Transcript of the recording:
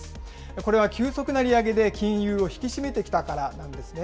これは急速な利上げで金融を引き締めてきたからなんですね。